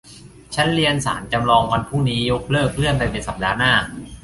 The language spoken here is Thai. ชั้นเรียนศาลจำลองวันพรุ่งนี้ยกเลิก เลื่อนไปเป็นสัปดาห์หน้า